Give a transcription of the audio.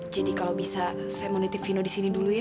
jadi kalau bisa saya mau nitip vino di sini dulu ya